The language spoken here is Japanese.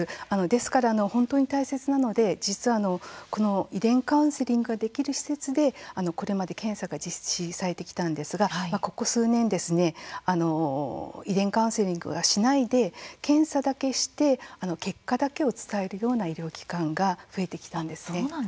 ですから本当に大切なのでこの遺伝カウンセリングができる施設で、これまで検査が実施されてきたのですがここ数年遺伝カウンセリングはしないで検査だけして結果だけを伝えるような医療機関が増えてきたんです。